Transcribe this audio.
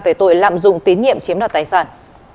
về tội lạm dụng tín nhiệm chiếm đoạt tài sản